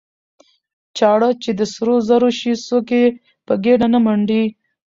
ـ چاړه چې د سرو زرو شي څوک يې په ګېډه نه منډي.